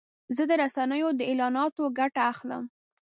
زه د رسنیو د اعلاناتو ګټه اخلم.